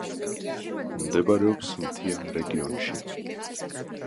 მდებარეობს მთიან რეგიონში.